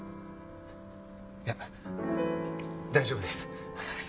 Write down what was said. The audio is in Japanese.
いや大丈夫です。